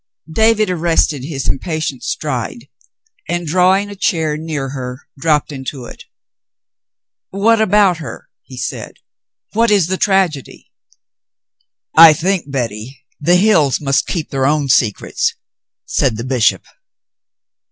David arrested his impatient stride and, drawing a chair near her, dropped into it. "What about her.'^" he said. "Whatis the tragedy .5"^ "I think, Betty, the hills must keep their ot^ti secrets," said the bishop.